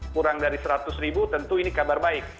kurang dari seratus ribu tentu ini kabar baik